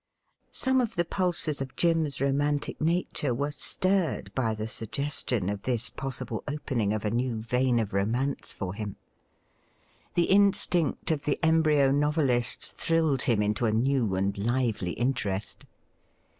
Some of the pulses of Jim's romantic nature were stin ed by the suggestion of this possible opening of a new vein SOMEONE HAS BLUNDERED 87 of romance for him. The instinct of the embryo novelist thrilled him into a new and lively interest.